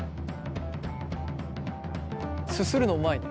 すするのうまいね。